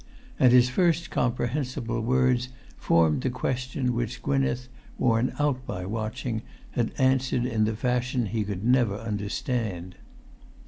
And his first comprehensible words formed the question which Gwynneth, worn out by watching, had answered in the fashion he could never understand.